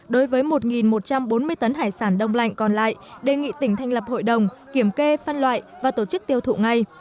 đối với một một trăm bốn mươi tấn hải sản đông lạnh còn lại đề nghị tỉnh thành lập hội đồng kiểm kê phân loại và tổ chức tiêu thụ ngay